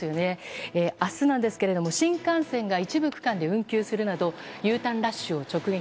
明日なんですが、新幹線が一部区間で運休するなどＵターンラッシュを直撃。